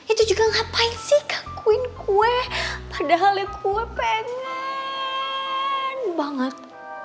itu juga ngapain sih kakuin gue padahal ya gue pengen banget